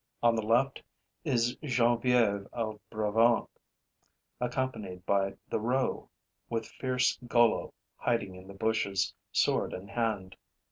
On the left is Genevieve of Brabant, accompanied by the roe, with fierce Golo hiding in the bushes, sword in hand.